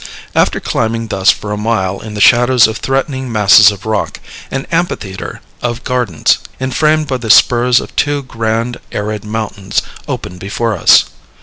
After climbing thus for a mile in the shadows of threatening masses of rock, an amphitheatre of gardens, enframed by the spurs of two grand, arid mountains, opened before us.